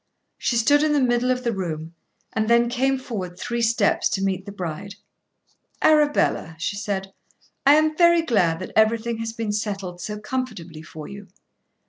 She stood in the middle of the room and then came forward three steps to meet the bride. "Arabella," she said, "I am very glad that everything has been settled so comfortably for you."